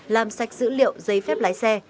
làm sạch dữ liệu giấy phép lái xe